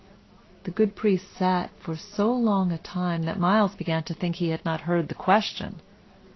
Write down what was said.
The good priest sat silent for so long a time that Myles began to think he had not heard the question.